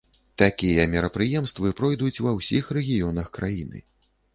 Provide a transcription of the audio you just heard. Такія мерапрыемствы пройдуць ва ўсіх рэгіёнах краіны.